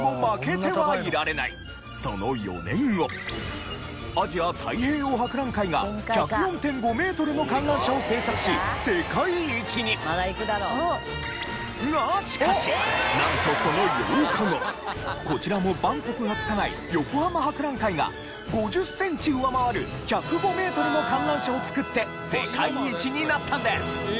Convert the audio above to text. その４年後アジア太平洋博覧会が１０４．５メートルの観覧車を制作し世界一に。がしかしなんとその８日後こちらも万国が付かない横浜博覧会が５０センチ上回る１０５メートルの観覧車を作って世界一になったんです。